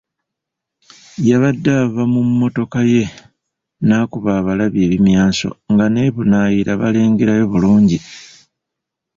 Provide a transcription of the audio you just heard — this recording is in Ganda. Yabadde ava mu mmotoka ye n’akuba abalabi ebimyanso nga n'e Bunaayira balengerayo bulungi.